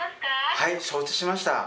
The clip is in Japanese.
はい承知しました。